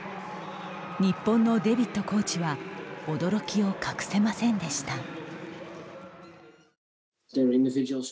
日本のデ・ヴィットコーチは驚きを隠せませんでした。